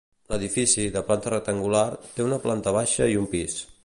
L'edifici, de planta rectangular, té una planta baixa i un pis.